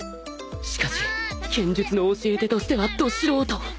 しかし剣術の教え手としてはド素人